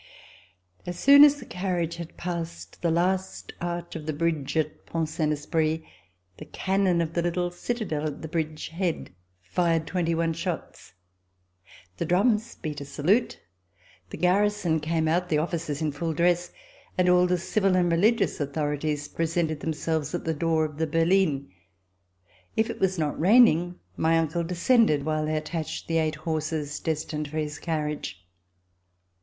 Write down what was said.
As soon as the carriage had passed the last arch of the bridge at Pont Saint Esprit, the cannon of the little citadel at this bridge head fired twenty one shots. The drums beat a salute, the garrison came out, the oflficers in full dress, and all the civil and RECOLLECTIONS OF THE REVOLUTION religious authorities presented themselves at the door of the berline. If it was not raining, my uncle de scended while they attached the eight horses destined for his carriage.